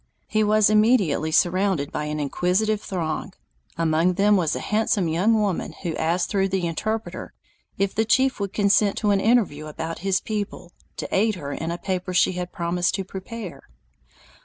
He was immediately surrounded by an inquisitive throng. Among them was a handsome young woman who asked through the interpreter if the chief would consent to an interview about his people, to aid her in a paper she had promised to prepare.